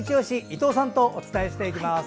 伊藤さんとお伝えしていきます。